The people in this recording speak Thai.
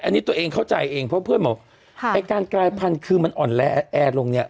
อันนี้ตัวเองเข้าใจเองเพราะเพื่อนบอกไอ้การกลายพันธุ์คือมันอ่อนแอลงเนี่ย